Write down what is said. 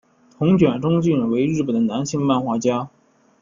藤卷忠俊为日本的男性漫画家。